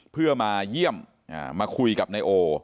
เพื่อมาเยี่ยมมาคุยกับนายโอ